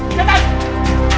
jangan jangan takut